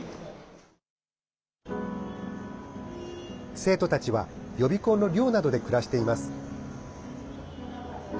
生徒たちは予備校の寮などで暮らしています。